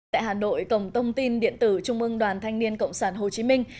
tại hà nội tổng tông tin điện tử trung ương đoàn thanh niên cộng sản hồ chí minh